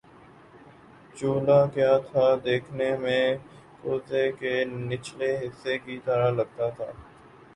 چولہا کیا تھا دیکھنے میں کوزے کے نچلے حصے کی طرح لگتا تھا